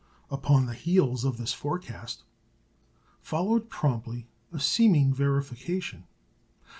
Upon the heels of this forecast followed promptly a seeming verification.